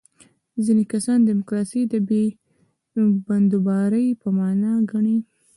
ځینې کسان دیموکراسي د بې بندوبارۍ په معنا ګڼي.